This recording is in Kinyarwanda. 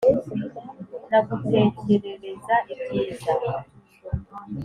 Nagutekerereza ibyiza